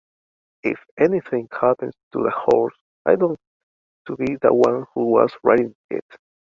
If anything happens to the horse, I don’t to be the one who was riding it.